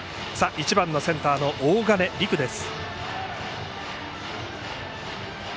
１番のセンターの大金莉久です。